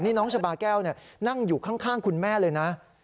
นี่น้องชาบาแก้วนั่งอยู่ข้างคุณแม่เลยนะ